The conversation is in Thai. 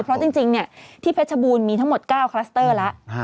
เพราะจริงที่เพชรบูรณ์มีทั้งหมด๙คลัสเตอร์แล้ว